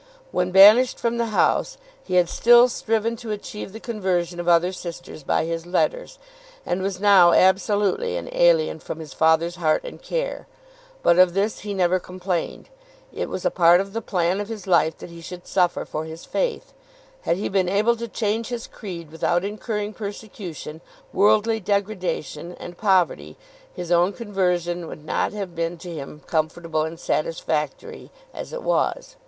When banished from the house he had still striven to achieve the conversion of other sisters by his letters, and was now absolutely an alien from his father's heart and care. But of this he never complained. It was a part of the plan of his life that he should suffer for his faith. Had he been able to change his creed without incurring persecution, worldly degradation, and poverty, his own conversion would not have been to him comfortable and satisfactory as it was.